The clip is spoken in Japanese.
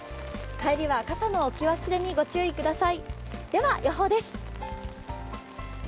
帰りは傘の置き忘れにご注意ください。